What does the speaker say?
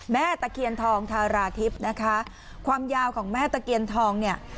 ตะเคียนทองทาราทิพย์นะคะความยาวของแม่ตะเคียนทองเนี่ย